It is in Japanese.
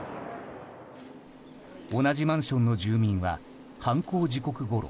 同じマンションの住民は犯行時刻ごろ